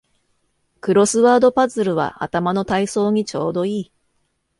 クロスワードパズルは頭の体操にちょうどいい